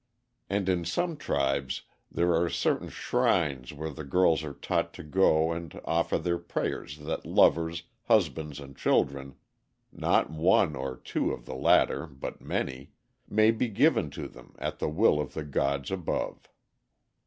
And in some tribes there are certain shrines where the girls are taught to go and offer their prayers that lovers, husbands, and children not one or two of the latter, but many may be given to them at the will of the gods above.